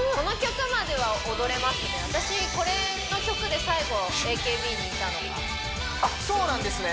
私これの曲で最後ＡＫＢにいたのがあっそうなんですね